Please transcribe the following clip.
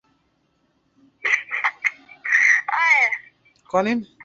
ya Amerika au Marekani Vita vilitokea kutokana